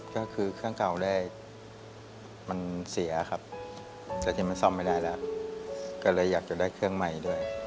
ก็คือเครื่องเก่าได้มันเสียครับแต่ที่มันซ่อมไม่ได้แล้วก็เลยอยากจะได้เครื่องใหม่ด้วย